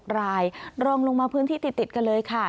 รายรองลงมาพื้นที่ติดกันเลยค่ะ